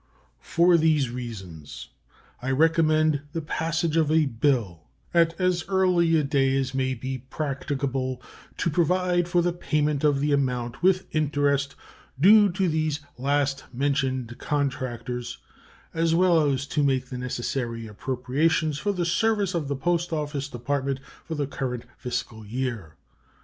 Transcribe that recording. For these reasons I recommend the passage of a bill at as early a day as may be practicable to provide for the payment of the amount, with interest, due to these last mentioned contractors, as well as to make the necessary appropriations for the service of the Post Office Department for the current fiscal year.